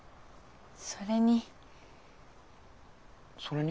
それに。